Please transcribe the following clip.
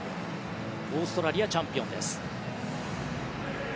オーストラリアチャンピオンです。